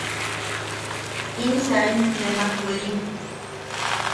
¡In saim, nemak werim!